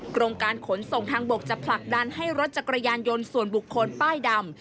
กรมการขนส่งทางบกจะผลักดันให้รถจักรยานยนต์ส่วนบุคคลป้ายดำ